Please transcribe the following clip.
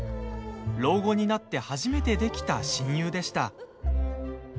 老後になって初めてできた親友でした。